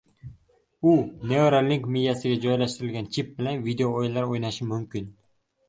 U Neuralink miyasiga joylashtirilgan chip bilan video o'yinlar o'ynashi mumkin.